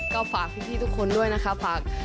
ก็ฝากพี่ทุกคนด้วยนะคะฝาก